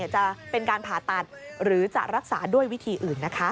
จะเป็นการผ่าตัดหรือจะรักษาด้วยวิธีอื่นนะคะ